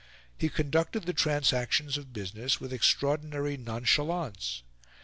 He conducted the transactions of business with extraordinary nonchalance.